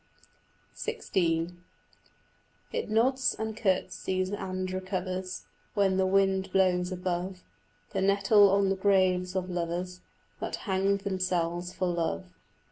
XVI It nods and curtseys and recovers When the wind blows above, The nettle on the graves of lovers That hanged themselves for love.